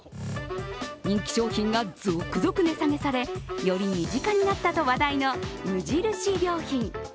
人気商品が続々値下げされより身近になったと話題の無印良品。